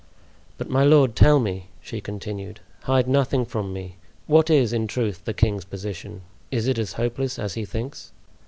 But my lord, tell me," she continued, "hide nothing from me—what is, in truth, the king's position? Is it as hopeless as he thinks?"